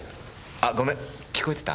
あごめん聞こえてた？